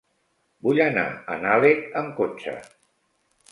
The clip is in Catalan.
Vull anar a Nalec amb cotxe.